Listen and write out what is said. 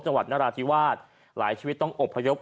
จังหวัดนราธิวาดหลายชีวิตต้องอบพยพ